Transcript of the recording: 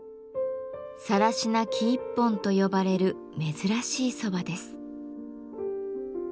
「更科生一本」と呼ばれる珍しい蕎麦です。